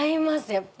やっぱり。